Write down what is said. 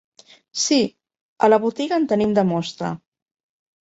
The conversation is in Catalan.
Sí, a la botiga en tenim de mostra.